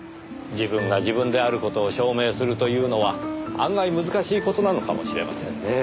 自分が自分である事を証明するというのは案外難しい事なのかもしれませんねぇ。